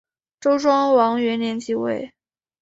周庄王元年即位。